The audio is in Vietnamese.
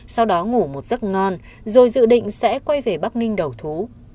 sau đó ngủ một giấc ngon rồi dự định sẽ quay về bắc ninh đầu thú